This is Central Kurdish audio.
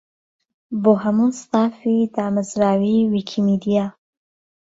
بۆ: هەموو ستافی دامەزراوەی ویکیمیدیا.